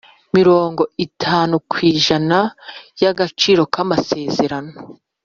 Mirongo itanu ku ijana y’agaciro k’amasezerano